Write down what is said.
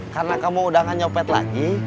karena kamu udah gak nyopet lagi